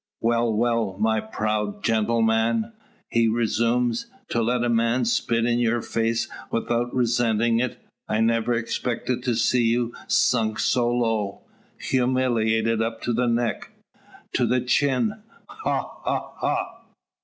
"Well, well, my proud gentleman;" he resumes, "to let a man spit in your face without resentin' it! I never expected to see you sunk so low. Humiliated up to the neck to the chin! Ha! ha! ha!"